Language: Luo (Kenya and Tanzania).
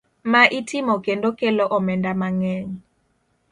Ma itimo kendo kelo omenda mang'eny.